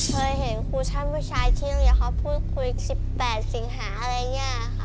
เคยเห็นครูชั่นผู้ชายที่โรงเรียนเขาพูดคุย๑๘สิงหาอะไรอย่างนี้ค่ะ